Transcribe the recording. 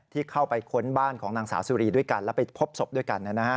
ที่เข้าไปค้นบ้านของนางสาวสุรีด้วยกันแล้วไปพบศพด้วยกัน